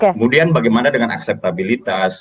kemudian bagaimana dengan akseptabilitas